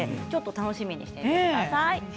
楽しみにしていてください。